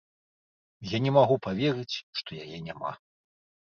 Я не магу паверыць, што яе няма.